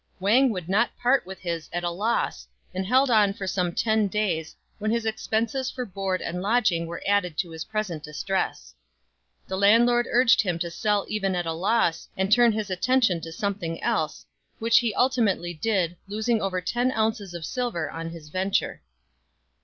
Wang would not part with his at a loss, and held on for some ten days, when his expenses for board and lodging were added to his pre sent distress. The landlord urged him to sell even at a loss, and turn his attention to something else, which he ultimately did, losing over ten ounces of silver on his venture.